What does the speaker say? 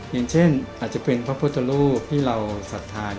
อย่างเช่นอาจจะเป็นพระพุทธรูปที่เราศรัทธา